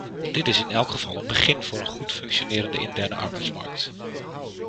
Dit is in elk geval een begin voor een goed functionerende interne arbeidsmarkt.